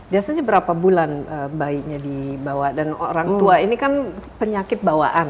biasanya berapa bulan bayinya dibawa dan orang tua ini kan penyakit bawaan